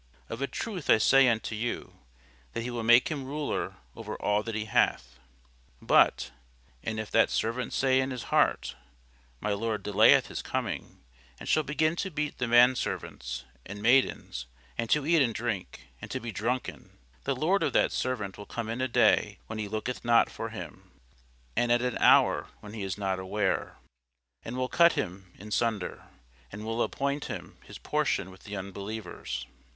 Of a truth I say unto you, that he will make him ruler over all that he hath. But and if that servant say in his heart, My lord delayeth his coming; and shall begin to beat the menservants and maidens, and to eat and drink, and to be drunken; the lord of that servant will come in a day when he looketh not for him, and at an hour when he is not aware, and will cut him in sunder, and will appoint him his portion with the unbelievers.